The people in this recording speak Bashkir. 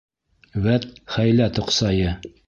Вәт, хәйлә тоҡсайы!